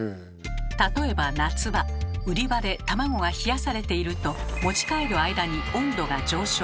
例えば夏場売り場で卵が冷やされていると持ち帰る間に温度が上昇。